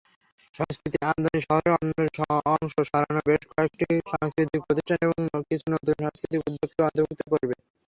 সংস্কৃতি আমদানি শহরের অন্যান্য অংশে সরানো বেশ কয়েকটি সাংস্কৃতিক প্রতিষ্ঠান এবং কিছু নতুন সাংস্কৃতিক উদ্যোগকে অন্তর্ভুক্ত করবে।